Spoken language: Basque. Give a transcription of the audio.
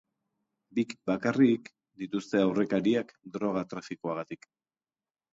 Bik bakarrik dituzte aurrekariak droga trafikoagatik.